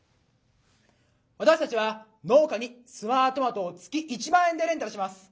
私たちは農家に「スマートマト」を月１万円でレンタルします。